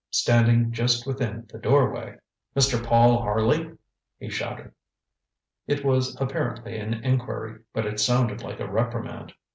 Standing just within the doorway: ŌĆ£Mr. Paul Harley? ŌĆØ he shouted. It was apparently an inquiry, but it sounded like a reprimand.